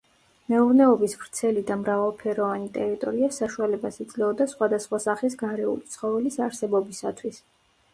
მეურნეობის ვრცელი და მრავალფეროვანი ტერიტორია საშუალებას იძლეოდა სხვადასხვა სახის გარეული ცხოველის არსებობისათვის.